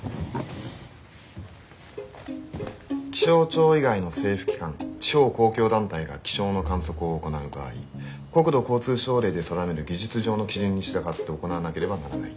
「気象庁以外の政府機関地方公共団体が気象の観測を行う場合国土交通省令で定める技術上の基準に従って行わなければならない。